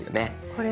これ？